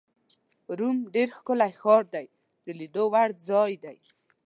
روم ډېر ښکلی ښار دی، د لیدو وړ ځای دی.